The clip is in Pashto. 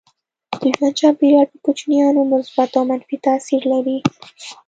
د ژوند چاپيریال پر کوچنیانو مثبت او منفي تاثير لري.